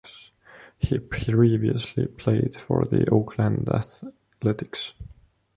He previously played for the Oakland Athletics.